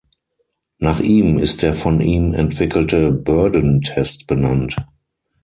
Nach ihm ist der von ihm entwickelte Bourdon-Test benannt.